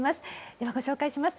ではご紹介します。